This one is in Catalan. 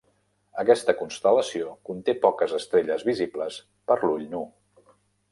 Aquesta constel·lació conté poques estrelles visibles per l'ull nu.